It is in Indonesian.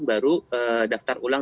baru daftar ulang